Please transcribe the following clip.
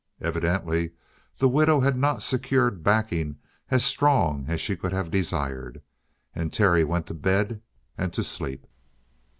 Evidently the widow had not secured backing as strong as she could have desired. And Terry went to bed and to sleep.